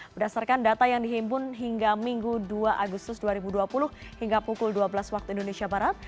berdasarkan data yang dihimpun hingga minggu dua agustus dua ribu dua puluh hingga pukul dua belas waktu indonesia barat